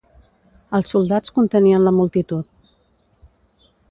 Els soldats contenien la multitud.